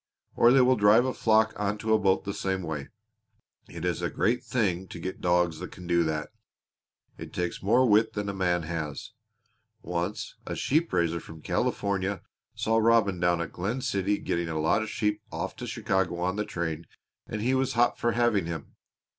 Or they will drive a flock onto a boat the same way. It is a great thing to get dogs that can do that. It takes more wit than a man has. Once a sheep raiser from California saw Robin down at Glen City getting a lot of sheep off to Chicago on the train and he was hot for having him.